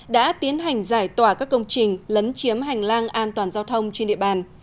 đã tiến hành giải tỏa các công trình lấn chiếm hành lang an toàn giao thông trên địa bàn